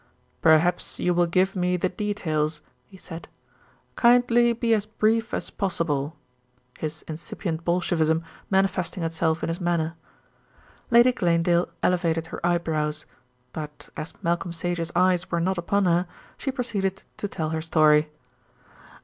"Perhaps you will give me the details," he said. "Kindly be as brief as possible," his "incipient Bolshevism" manifesting itself in his manner. Lady Glanedale elevated her eyebrows; but, as Malcolm Sage's eyes were not upon her, she proceeded to tell her story.